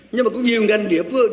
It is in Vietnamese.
nhưng mà có nhiều ngành địa phương